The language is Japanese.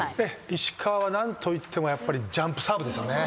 石川は何といってもやっぱりジャンプサーブですよね。